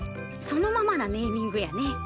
そのままなネーミングやね。